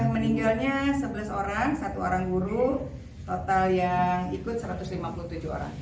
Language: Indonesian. meninggalnya sebelas orang satu orang guru total yang ikut satu ratus lima puluh tujuh orang